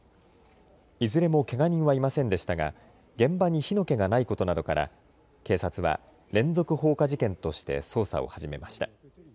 いずれもけが人はいませんでしたが現場に火の気がないことなどから警察は連続放火事件として捜査を始めました。